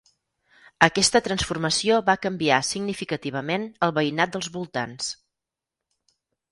Aquesta transformació va canviar significativament el veïnat dels voltants.